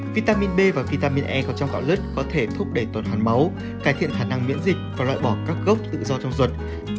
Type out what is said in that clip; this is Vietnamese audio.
vitamin b và vitamin e có trong gạo lứt có thể thúc đẩy tuần hoàn máu cải thiện khả năng miễn dịch và loại bỏ các gốc tự do trong ruột